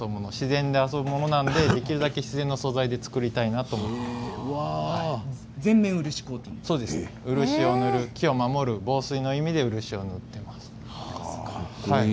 自然で遊ぶものなのでできるだけ自然の素材で作りたいなと思って木を守る防水の意味で漆を塗っています。